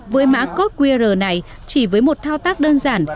với mã code qr này chỉ với một thao tác đơn giản